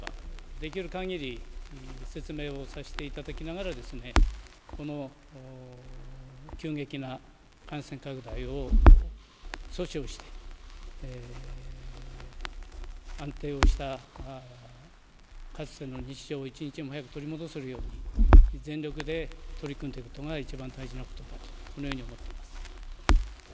できるかぎり説明をさせていただきながら、この急激な感染拡大を阻止をして、安定をしたかつての日常を一日も早く取り戻せるように、全力で取り組んでいくことが一番大事なことだと、このように思っています。